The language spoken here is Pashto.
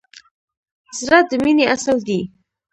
زړه د مینې اصل دی.